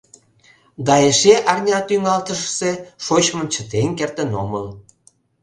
Да эше арня тӱҥалтышысе шочмым чытен кертын омыл.